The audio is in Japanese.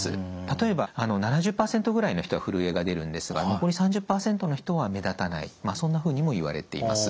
例えば７０％ぐらいの人がふるえが出るんですが残り３０％の人は目立たないそんなふうにもいわれています。